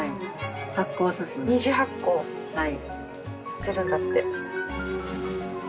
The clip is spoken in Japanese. ２次発酵させるんだって。